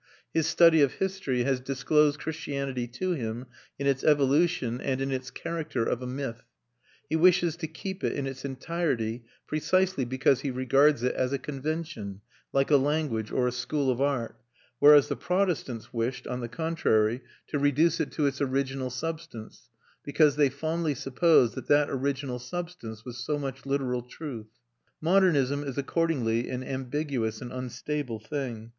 His study of history has disclosed Christianity to him in its evolution and in its character of a myth; he wishes to keep it in its entirety precisely because he regards it as a convention, like a language or a school of art; whereas the Protestants wished, on the contrary, to reduce it to its original substance, because they fondly supposed that that original substance was so much literal truth. Modernism is accordingly an ambiguous and unstable thing.